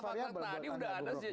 fakta fakta tadi udah ada sih